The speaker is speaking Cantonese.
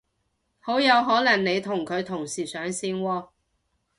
好有可能你同佢同時上線喎